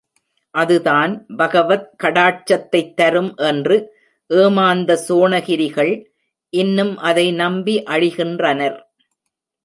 அது தான் பகவத் கடாட்சத்தைத் தரும் என்று, ஏமாந்த சோணகிரிகள், இன்னும் அதை நம்பி அழிகின்றனர்.